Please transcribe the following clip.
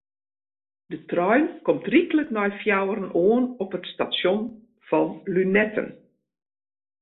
De trein komt ryklik nei fjouweren oan op it stasjon fan Lunetten.